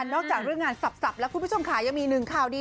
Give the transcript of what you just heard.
จากเรื่องงานสับแล้วคุณผู้ชมค่ะยังมีหนึ่งข่าวดี